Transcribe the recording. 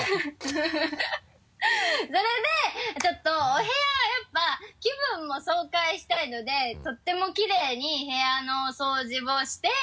それでちょっとお部屋やっぱ気分も爽快したいのでとってもきれいに部屋の掃除をして。